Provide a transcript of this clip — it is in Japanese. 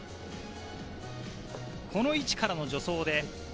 この位置からの助走で。